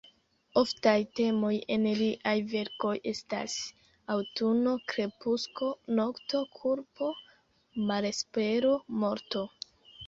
Oftaj temoj en liaj verkoj estas: aŭtuno, krepusko, nokto; kulpo, malespero, morto.